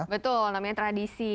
betul namanya tradisi